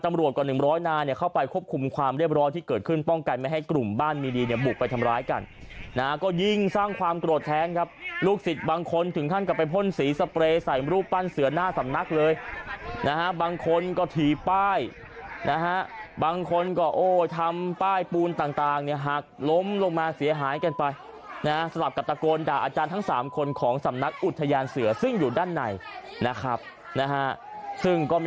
ทำรวจกว่าหนึ่งร้อยนานเนี่ยเข้าไปควบคุมความเรียบร้อยที่เกิดขึ้นป้องกันไม่ให้กลุ่มบ้านมีดีเนี่ยบุกไปทำร้ายกันนะฮะก็ยิงสร้างความโกรธแท้ครับลูกศิษย์บางคนถึงท่านกลับไปพ่นสีสเปรย์ใส่รูปปั้นเสือนหน้าสำนักเลยนะฮะบางคนก็ถี่ป้ายนะฮะบางคนก็โอ้ทำป้ายปูนต่างเนี่ยหักล้ม